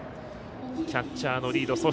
キャッチャーのリード